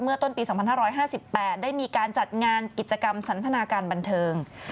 ต้นปี๒๕๕๘ได้มีการจัดงานกิจกรรมสันทนาการบันเทิง